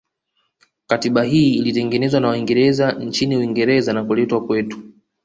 Katiba hii ilitengenezwa na waingereza nchini Uingereza na kuletwa kwetu